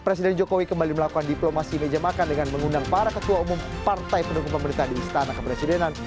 presiden jokowi kembali melakukan diplomasi meja makan dengan mengundang para ketua umum partai pendukung pemerintah di istana kepresidenan